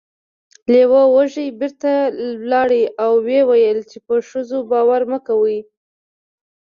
لیوه وږی بیرته لاړ او و یې ویل چې په ښځو باور مه کوئ.